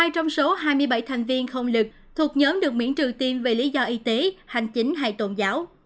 bảy thành viên không lực thuộc nhóm được miễn trừ tiêm vì lý do y tế hành chính hay tôn giáo